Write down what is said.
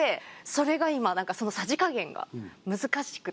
それが今そのさじ加減が難しくて。